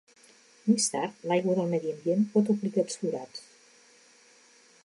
Més tard, l'aigua del medi ambient pot omplir aquests forats.